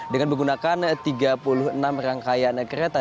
dengan menggunakan tiga puluh enam rangkaian kereta